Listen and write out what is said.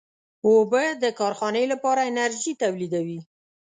اوبه د کارخانې لپاره انرژي تولیدوي.